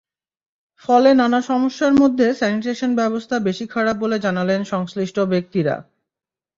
ফলে নানা সমস্যার মধ্যে স্যানিটেশন ব্যবস্থা বেশি খারাপ বলে জানালেন সংশ্লিষ্ট ব্যক্তিরা।